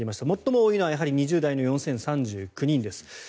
最も多いのは２０代の４０３９人です。